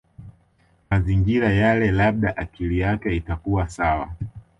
Mazingira yale labda akili yake itakuwa sawa